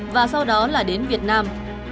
và sau đó là đến việt nam